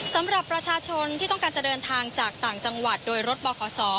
สำหรับประชาชนที่ต้องการจะเดินทางจากต่างจังหวัดโดยรถบข